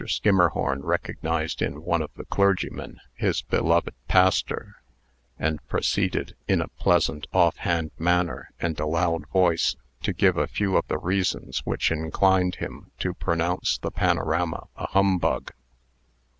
Skimmerhorn recognized, in one of the clergymen, his beloved pastor, and proceeded, in a pleasant, off hand manner, and a loud voice, to give a few of the reasons which inclined him to pronounce the panorama a humbug.